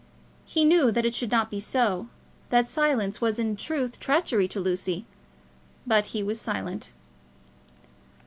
He knew that it should not be so, that such silence was in truth treachery to Lucy; but he was silent.